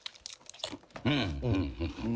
うん。